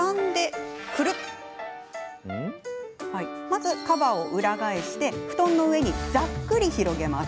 まず、カバーを裏返して布団の上に、ざっくり広げます。